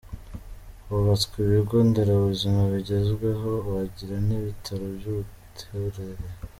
Hubatswe ibigo nderabuzima bigezweho wagira n’ibitaro by’uturere.